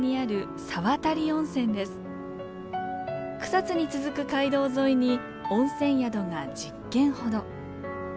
草津に続く街道沿いに温泉宿が１０軒ほど。